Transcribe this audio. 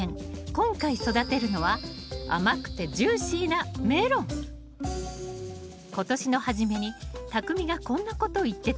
今回育てるのは甘くてジューシーな今年の初めにたくみがこんなこと言ってたわね